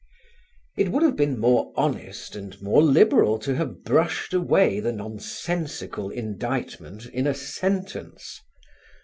It would have been more honest and more liberal to have brushed away the nonsensical indictment in a sentence.